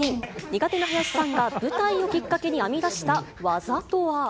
苦手な林さんが、舞台をきっかけに編み出した技とは？